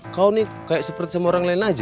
kau nih kayak seperti sama orang lain aja